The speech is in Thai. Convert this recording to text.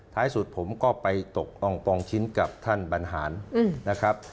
สุดผมก็ไปตกลงปองชิ้นกับท่านบรรหารนะครับ